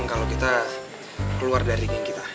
kalo kita keluar dari game kita